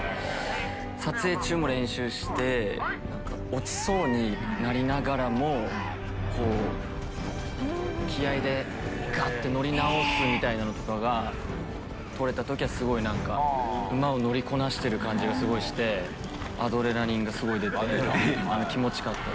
撮影中も練習して落ちそうになりながらも気合でガッて乗り直すみたいなのとかが撮れた時は何か馬を乗りこなしてる感じがすごいしてアドレナリンがすごい出て気持ち良かったです。